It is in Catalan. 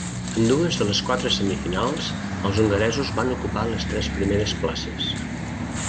En dues de les quatre semifinals els hongaresos van ocupar les tres primeres places.